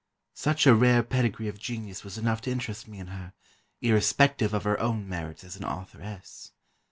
Such a rare pedigree of genius was enough to interest me in her, irrespective of her own merits as an authoress.